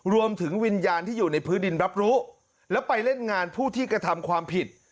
วิญญาณที่อยู่ในพื้นดินรับรู้แล้วไปเล่นงานผู้ที่กระทำความผิด